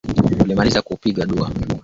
Tulimaliza kupiga dua.